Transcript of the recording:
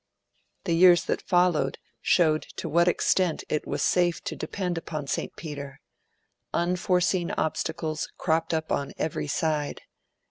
The years that followed showed to what extent it was safe to depend upon St. Peter. Unforeseen obstacles cropped up on every side.